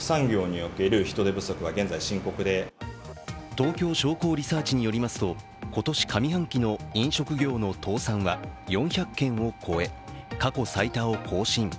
東京商工リサーチによりますと今年上半期の飲食業の倒産は４００件を超え、過去最多を更新。